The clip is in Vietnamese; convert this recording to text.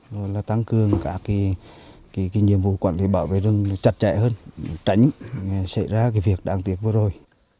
rồi là tăng cường các cái nhiệm vụ quản lý bảo vệ rừng chặt chẽ hơn tránh xảy ra cái việc đáng tiếc vừa rồi